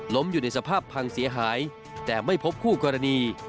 อยู่ในสภาพพังเสียหายแต่ไม่พบคู่กรณี